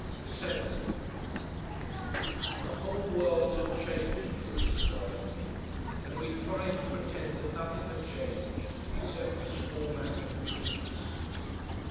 7 The whole world had changed for Isabel and me; and we tried to pretend that nothing had changed except a small matter between us.